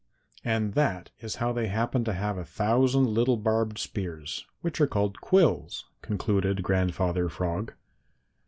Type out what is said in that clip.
And that is how they happen to have a thousand little barbed spears, which are called quills," concluded Grandfather Frog.